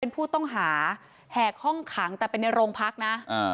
เป็นผู้ต้องหาแหกห้องขังแต่เป็นในโรงพักนะ